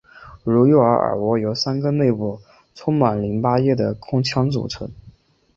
如右图耳蜗由三个内部充满淋巴液的空腔组成。